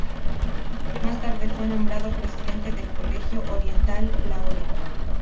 Más tarde fue nombrado presidente del Colegio Oriental, Lahore.